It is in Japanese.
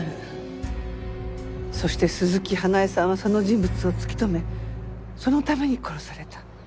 そして鈴木花絵さんはその人物を突き止めそのために殺された。